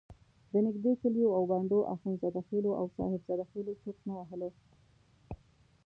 د نږدې کلیو او بانډو اخندزاده خېلو او صاحب زاده خېلو چرت نه وهلو.